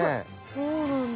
そうなんだ。